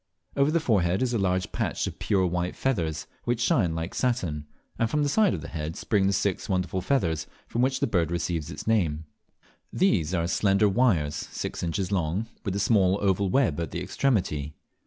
Over the forehead is a large patch of pure white feathers, which shine like satin; and from the sides of the head spring the six wonderful feathers from which the bird receives its name. These are slender wires, six inches long, with a small oval web at the extremity.